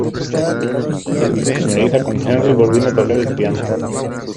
El video finaliza con Henry volviendo a tocar el piano.